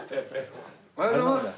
おはようございます。